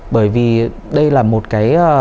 bởi vì đây là một cái